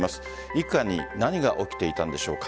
一家に何が起きていたのでしょうか。